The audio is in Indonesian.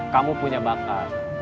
kamu punya bakat